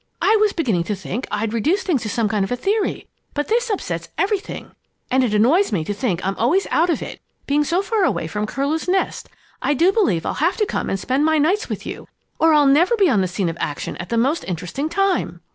I was beginning to think I'd reduced things to some kind of a theory, but this upsets everything. And it annoys me so to think I'm always out of it, being so far away from Curlew's Nest. I do believe I'll have to come and spend my nights with you or I'll never be on the scene of action at the most interesting time!"